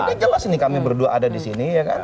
ini jelas nih kami berdua ada disini